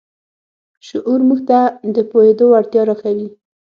شعور موږ ته د پوهېدو وړتیا راکوي.